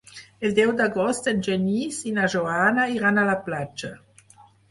El deu d'agost en Genís i na Joana iran a la platja.